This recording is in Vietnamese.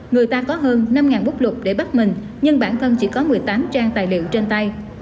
người ta có hơn năm bút lục để bắt mình nhưng bản thân chỉ có một mươi tám trang tài liệu trên tay